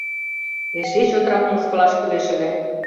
Эше чотрак мыскылаш кӱлеш ыле!